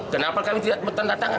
kenapa kami tidak tanda tangan